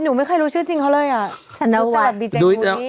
หนูไม่ค่อยรู้ชื่อจริงเขาเลยอ่ะชะนาวัทย์